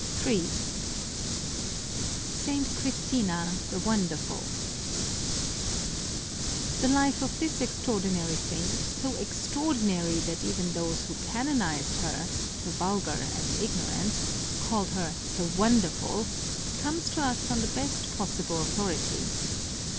Ill ST. CHRISTINA THE WONDERFUL The life of this extraordinary saint, so extraordinary that even those who canonised her — the vulgar and ignorant — called her " The Wonderful," comes to us on the best possible authority.